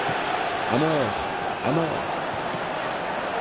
Á mort ! à mort !